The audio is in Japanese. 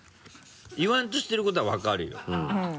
言わんとしてることは分かるよ。